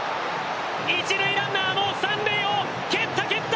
一塁ランナー、三塁を蹴った蹴った。